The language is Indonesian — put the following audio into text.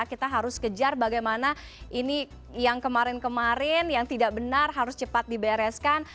kita harus kejar bagaimana ini yang kemarin kemarin yang tidak benar harus cepat dibereskan